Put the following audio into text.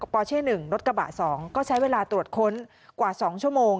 ปอเช่หนึ่งรถกระบะสองก็ใช้เวลาตรวจค้นกว่าสองชั่วโมง